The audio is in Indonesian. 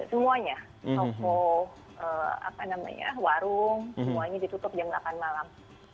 semuanya toko warung semuanya ditutup jam delapan malam